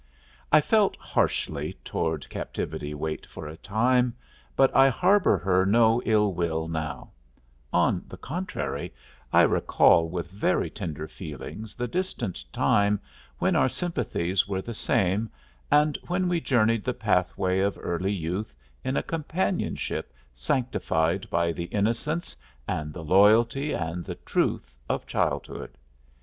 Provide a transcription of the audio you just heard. I felt harshly toward Captivity Waite for a time, but I harbor her no ill will now; on the contrary, I recall with very tender feelings the distant time when our sympathies were the same and when we journeyed the pathway of early youth in a companionship sanctified by the innocence and the loyalty and the truth of childhood.